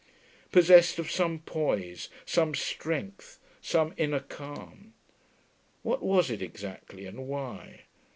Possessed of some poise, some strength, some inner calm.... What was it, exactly, and why?